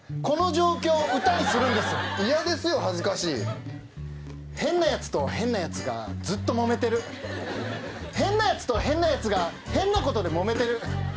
この状況を歌にするんですいやですよ恥ずかしい変なやつと変なやつがずっともめてる変なやつと変なやつが変なことでもめてる